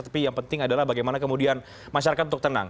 tapi yang penting adalah bagaimana kemudian masyarakat untuk tenang